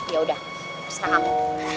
yaudah setengah kamu